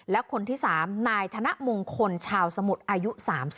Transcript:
และคนที่๓นายธนมงคลชาวสมุทรอายุ๓๐